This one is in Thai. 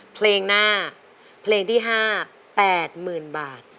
เพลงหน้าเพลงที่ห้าแปดหมื่นบาท